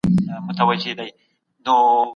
د شاه شجاع ځنډ د مجاهدینو ترمنځ اختلافات راوپارول.